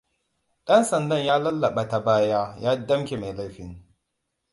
Ɗan sandan ya lallaɓa ta baya ya damƙe mai laifin.